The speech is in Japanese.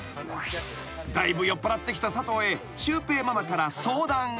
［だいぶ酔っぱらってきた佐藤へシュウペイママから相談が］